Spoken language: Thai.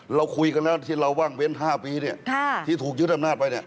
เรามี๕ปีที่ถูกยึดครั้งนี้